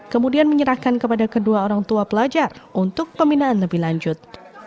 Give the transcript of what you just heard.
kemudian menyerahkan kepada kedua orang tua pelajar untuk pembinaan lebih lanjut